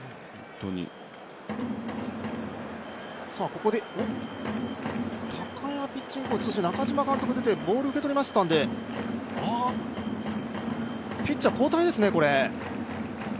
ここで高山ピッチングコーチ、そしてボールを受け取りましたのでピッチャー交代ですね。